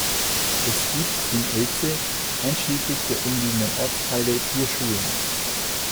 Es gibt in Elze einschließlich der umliegenden Ortsteile vier Schulen.